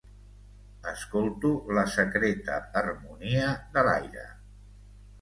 Escolto la secreta harmonia de l'aire.